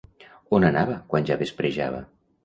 On anava quan ja vesprejava?